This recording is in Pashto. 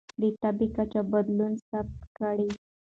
د تبه کچه بدلون ثبت کړئ.